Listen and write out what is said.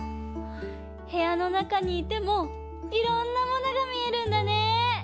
へやのなかにいてもいろんなものがみえるんだね！